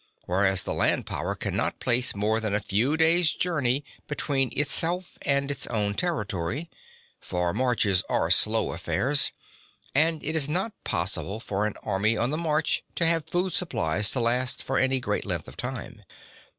Whereas the land power cannot place more than a few days' journey between itself and its own territory, for marches are slow affairs; and it is not possible for an army on the march to have food supplies to last for any great length of time.